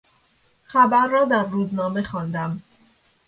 خبر را در روزنامه خواندم.